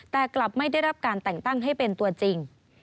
แต่กลับไม่ได้รับการแต่งตั้งให้เป็นตัวจริง